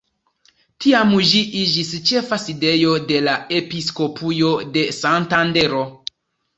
Tiam ĝi iĝis ĉefa sidejo de la episkopujo de Santandero.